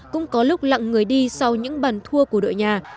cũng có lúc lặng người đi sau những bàn thua của đội nhà